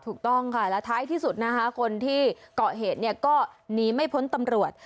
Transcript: ถูกต้องค่ะและท้ายที่สุดนะคะคนที่เกาะเหตุเนี่ยก็หนีไม่พ้นตำรวจ